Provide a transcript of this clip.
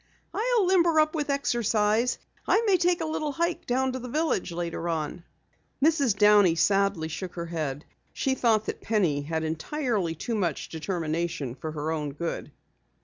"I'll limber up with exercise. I may take a little hike down to the village later on." Mrs. Downey sadly shook her head. She thought that Penny had entirely too much determination for her own good.